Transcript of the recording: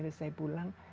terus saya pulang